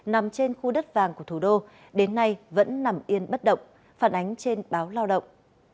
nằm trên khu đất vàng của thủ đô đến nay vẫn nằm yên bất động phản ánh trên báo lao động